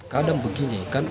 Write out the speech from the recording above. kadang begini kan